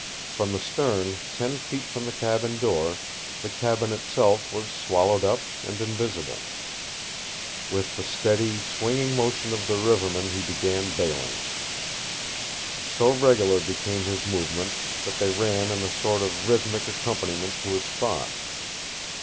From the stern, ten feet from the cabin door, the cabin itself was swallowed up and invisible. With the steady, swinging motion of the riverman he began bailing. So regular became his movements that they ran in a sort of rhythmic accompaniment to his thoughts.